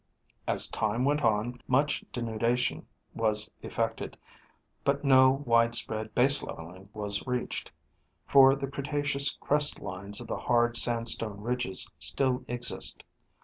As time went on, much denudation was effected, but no wide spread baselevelling was reached, for the Cretaceous crest lines of the hard sandstone ridges still exist.